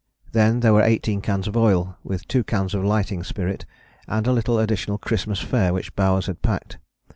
Then there were eighteen cans of oil, with two cans of lighting spirit and a little additional Christmas fare which Bowers had packed.